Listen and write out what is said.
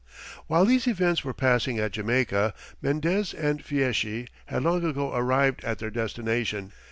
While these events were passing at Jamaica, Mendez and Fieschi had long ago arrived at their destination.